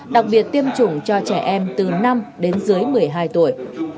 đặc biệt tiêm chủng cho trẻ em từ năm đến dưới một mươi hai tuổi